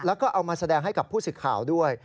แล้วก็เอามาแสดงให้กับผู้สื่อข่าวด้วย